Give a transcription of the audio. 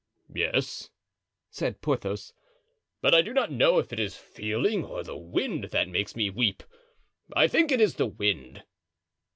"Yes," said Porthos; "but I do not know if it is feeling or the wind that makes me weep; I think it is the wind."